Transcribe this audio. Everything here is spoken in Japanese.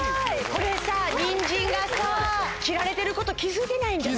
これさにんじんがさ切られてること気づいてないんじゃない？